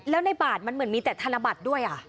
แล้วในบาทมันเหมือนมีแต่ธนบัตรด้วย